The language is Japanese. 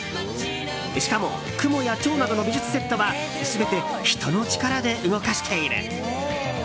しかも雲やチョウなどの美術セットは全て人の力で動かしている。